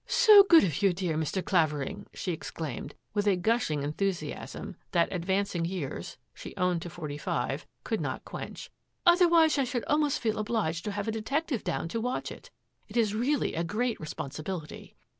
" So good of you, dear Mr. Clavering," she exclaimed, with a gushing enthusiasm that ad vancing years — she owned to forty five — could not quench. *^ Otherwise I should almost feel obliged to have a detective down to watch it. It is really a great responsibility."